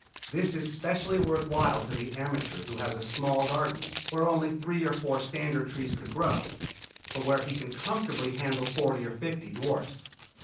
This is specially worth while to the amateur who has a small garden where only three or four standard trees could grow, but where he can comfortably handle forty or fifty dwarfs.